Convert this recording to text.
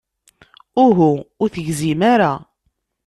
Uhu, ur tegzim ara.